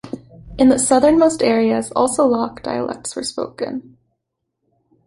In the southernmost areas, also Lach dialects were spoken.